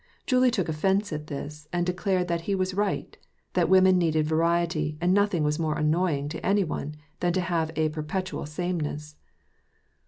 Julie took offence at this, and declared that he was right : that women needed variety, and nothing was more annoying to any one than to have a perpet ual sameness.